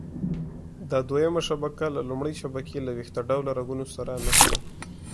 دا دویمه شبکه له لومړۍ شبکې له ویښته ډوله رګونو سره نښلي.